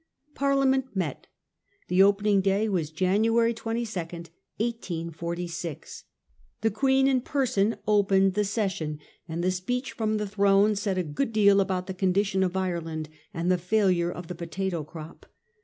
Parliament met. The opening day was January 22, 1846. The Queen in person opened the session, and the speech from the throne said a good deal about the condition of Ireland and the failure of the potato crop.